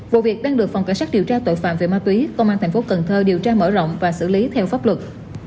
vụ việc đang được phòng cảnh sát điều tra tội phạm về ma túy công an tp cn điều tra mở rộng và xử lý theo pháp luật